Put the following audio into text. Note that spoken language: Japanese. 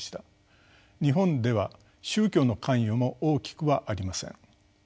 日本では宗教の関与も大きくはありません。